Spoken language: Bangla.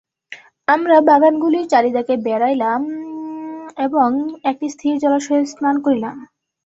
আমরা বাগানগুলির চারিধারে বেড়াইলাম এবং একটি স্থির জলাশয়ে স্নান করিলাম।